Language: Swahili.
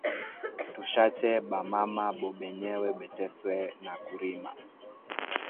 Tushache ba mama bo benyewe bateswe na kurima